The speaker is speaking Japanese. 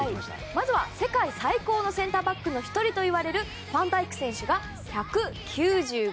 まずは世界最高のセンターバックの１人といわれるファンダイク選手が１９５ｃｍ。